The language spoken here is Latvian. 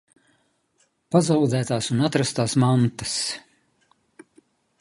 Pazaudētās un atrastās mantas.